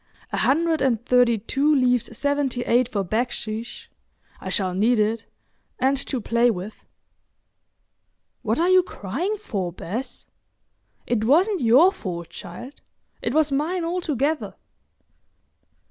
—a hundred and thirty two leaves seventy eight for baksheesh—I shall need it—and to play with. What are you crying for, Bess? It wasn't your fault, child; it was mine altogether.